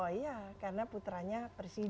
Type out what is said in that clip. oh iya karena putranya presiden